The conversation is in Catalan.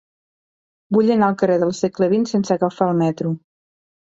Vull anar al carrer del Segle XX sense agafar el metro.